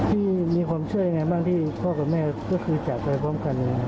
ที่มีความเชื่อยังไงบ้างที่พ่อกับแม่ก็คือจากไปพร้อมกัน